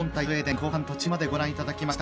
後半途中までご覧いただきました。